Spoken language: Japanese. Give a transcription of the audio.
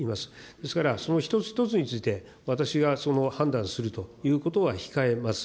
ですから、その一つ一つについて、私が判断するということは控えます。